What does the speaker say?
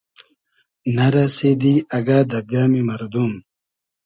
نۂ رئسیدی اگۂ دۂ گئمی مئردوم